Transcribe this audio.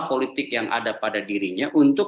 politik yang ada pada dirinya untuk